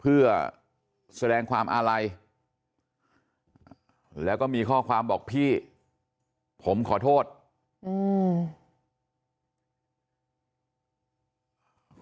เพื่อแสดงความอาลัยแล้วก็มีข้อความบอกพี่ผมขอโทษอืม